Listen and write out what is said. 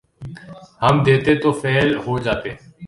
ہم دیتے تو فیل ہو جاتے